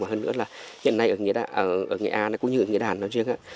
và hơn nữa là hiện nay ở nghĩa đan cũng như ở nghĩa đan nó riêng